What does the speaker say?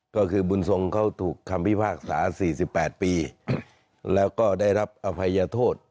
ก็คือบุญทรงเขาถูกคำพิพากษา๔๘ปีแล้วก็ได้รับอภัยโทษ